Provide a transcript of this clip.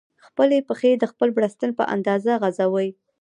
خپلې پښې د خپل بړستن په اندازه غځوئ.